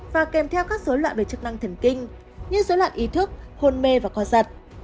và kèm theo các số loại về chức năng thỉnh kinh như số loại ý thức hồn mê và có giật